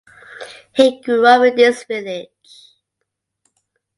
He grew up in this village.